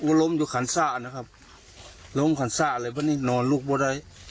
ก็ล้มอยู่ขันซ่านะครับล้มขันซ่าเลยเพราะนี่นอนลูกบัวได้